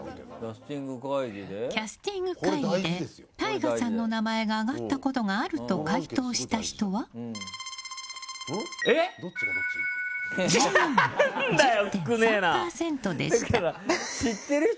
キャスティング会議でＴＡＩＧＡさんの名前が挙がったことがあると回答した人は１２人。